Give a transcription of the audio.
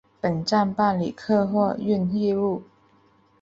本站办理客货运业务。